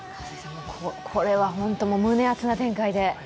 これは本当に胸熱な展開で。